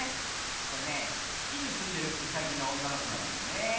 これねつきにすんでるうさぎのおんなのこなんだよねえ。